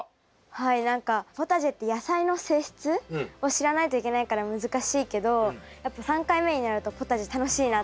はい何かポタジェって野菜の性質を知らないといけないから難しいけどやっぱ３回目になるとポタジェ楽しいなって思いました。